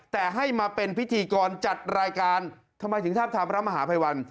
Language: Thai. แต่ให้มาเป็นพิธีกรจัดรายการทำไมถึงทาบทามพระมหาภัยวัน